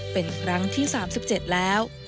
เป็นครั้งที่๓๗แล้ว